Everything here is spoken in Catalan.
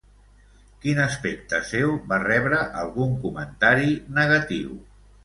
Quin aspecte seu va rebre algun comentari negatiu?